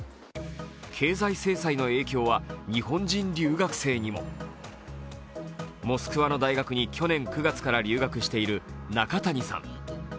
経済制裁の影響は日本人留学生にもモスクワの大学に去年９月から留学している中谷さん。